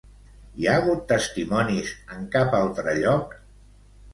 Hi ha hagut testimonis en cap altre lloc?